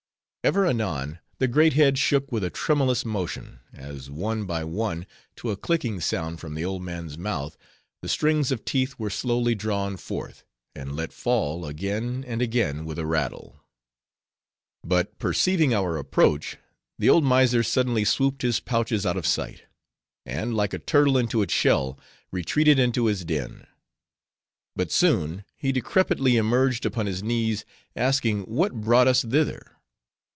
Ever and anon, the great head shook with a tremulous motion, as one by one, to a clicking sound from the old man's mouth, the strings of teeth were slowly drawn forth, and let fall, again and again, with a rattle. But perceiving our approach, the old miser suddenly swooped his pouches out of sight; and, like a turtle into its shell, retreated into his den. But soon he decrepitly emerged upon his knees, asking what brought us thither?